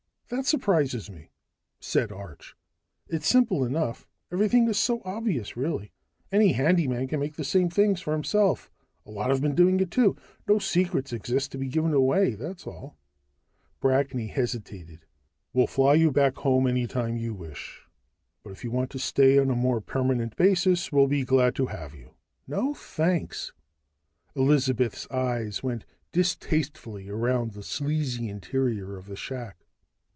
"That surprises me," said Arch. "It's simple enough. Everything is so obvious, really any handyman can make the same things for himself. A lot have been doing it, too. No secrets exist to be given away, that's all." Brackney hesitated. "We'll fly you back home anytime you wish. But if you want to stay on a more permanent basis, we'll be glad to have you." "No, thanks!" Elizabeth's eyes went distastefully around the sleazy interior of the shack.